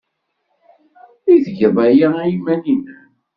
I tgeḍ aya i yiman-nnem?